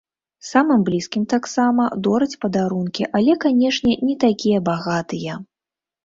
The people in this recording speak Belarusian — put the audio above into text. Самым блізкім таксама дораць падарункі, але, канечне, не такія багатыя.